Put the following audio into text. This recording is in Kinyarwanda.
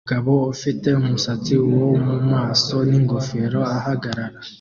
Umugabo ufite umusatsi wo mu maso n'ingofero ahagarara